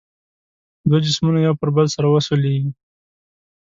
دوه جسمونه یو پر بل سره وسولیږي.